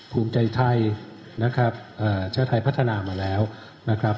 ภูมิใจไทยนะครับชาติไทยพัฒนามาแล้วนะครับ